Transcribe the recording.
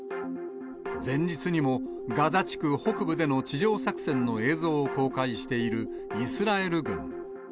前日にも、ガザ地区北部での地上作戦の映像を公開しているイスラエル軍。